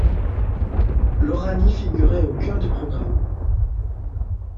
L'Oranie figurait au cœur du programme.